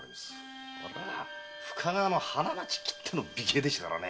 深川の花街きっての美形でしたからねえ。